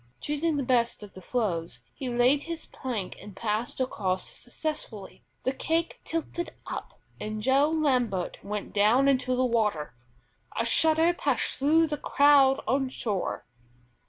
] Choosing the best of the floes, he laid his plank and passed across successfully. In the next passage, however, the cake tilted up, and Joe Lambert went down into the water! A shudder passed through the crowd on shore.